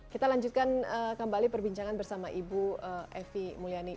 kita lanjutkan kembali perbincangan bersama ibu evi mulyani